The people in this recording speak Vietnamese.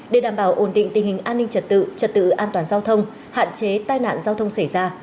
để đảm bảo ổn định tình hình an ninh trật tự trật tự an toàn giao thông hạn chế tai nạn giao thông xảy ra